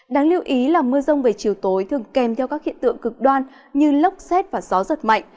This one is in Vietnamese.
đáng lưu ý là mưa rông về chiều tối thường kèm theo các hiện tượng cực đoan như lốc xét và gió giật mạnh